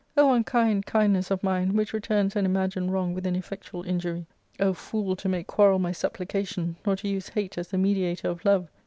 O unkind kindness of mine, which returns an imagined wrong with an effectual injury ! O fool to make quarrel my supplication, or to use hate as the mediator of love